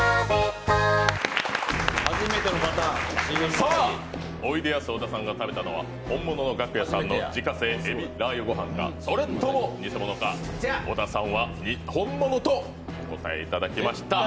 さあ、おいでやす小田さんが食べたのは本物の自家製海老ラー油ご飯か、それとも偽物か、小田さんは本物とお答えいただきました。